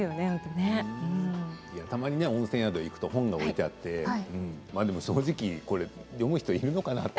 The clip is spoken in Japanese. たまに温泉宿に行くと本が置いてあって正直、読む人いるのかなって。